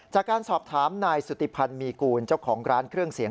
จากการสอบถามนายสุธิพันธ์มีกูลเจ้าของร้านเครื่องเสียง